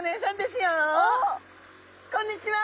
こんにちは！